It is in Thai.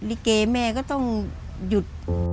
ลิเกแม่ก็ต้องหยุด